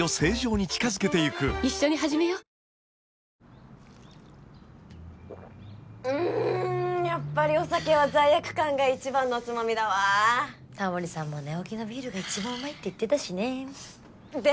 あのうんやっぱりお酒は罪悪感が一番のおつまみだわタモリさんも寝起きのビールが一番うまいって言ってたしねで？